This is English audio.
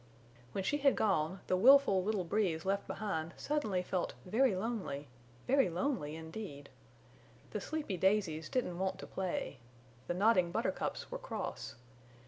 When she had gone, the willful little Breeze left behind suddenly felt very lonely very lonely indeed! The sleepy daisies didn't want to play. The nodding buttercups were cross.